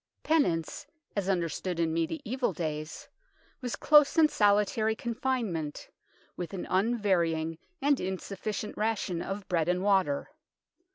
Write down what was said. Penance, as understood in mediaeval days, was close and solitary confinement with an un varying and insufficient ration of bread and water.